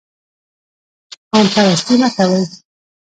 قوم پرستي مه کوئ